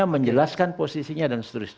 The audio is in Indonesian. menjelaskan posisinya dan seterusnya